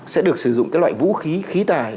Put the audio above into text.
sẽ được sử dụng cái loại vũ khí khí tài